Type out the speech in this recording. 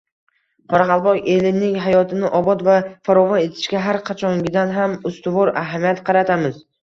qoraqalpoq elining hayotini obod va farovon etishga har qachongidan ham ustuvor ahamiyat qaratamiz.